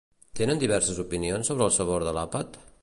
Tenen diverses opinions sobre el sabor de l'àpat?